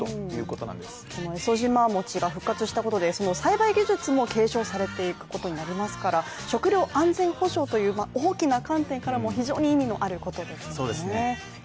このエソジマモチが復活したことで栽培技術も継承されていくことになりますから食料安全保障という大きな観点からも非常に大きな意味のあることですね。